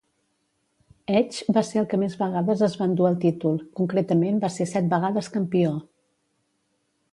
Edge va ser el que més vegades es va endur el títol, concretament va ser set vegades campió.